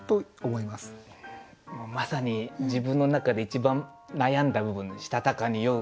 まさに自分の中で一番悩んだ部分で「したたかに酔う」